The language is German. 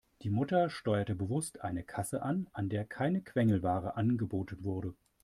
Die Mutter steuerte bewusst eine Kasse an, an der keine Quengelware angeboten wurde.